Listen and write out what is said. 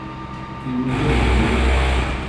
I wuddem n Yillu!